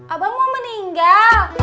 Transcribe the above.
abang mau meninggal